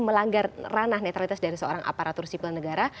melanggar ranah netralitas dari seorang aparatur sipil negara